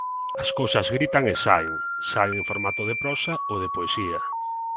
As cousas gritan e saen, saen en formato de prosa ou de poesía.